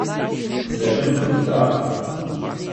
Zelen kot trava.